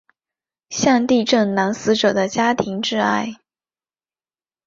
向地震男死者的家庭致哀。